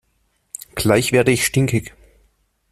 Gleich werde ich stinkig!